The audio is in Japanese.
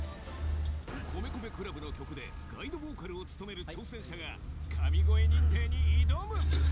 米米ＣＬＵＢの曲でガイドボーカルを務める挑戦者が神声認定に挑む！